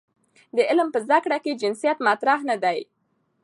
د علم په زده کړه کې جنسیت مطرح نه دی.